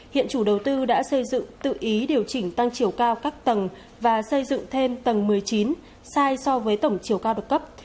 hiện chủ đầu tư đã xây dựng tự ý điều chỉnh tăng chiều cao các tầng và xây dựng thêm tầng một mươi chín sai so với tổng chiều cao được cấp